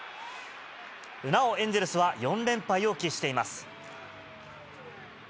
なおエンゼルスは４連敗を喫しています。